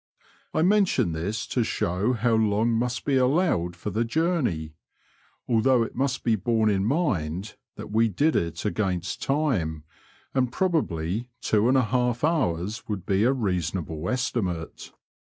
I mention this ta show how long must be allowed for the journey ; although it must be borne in mind that we did it against time, and probably two and a half hours would be a reasonable estimate.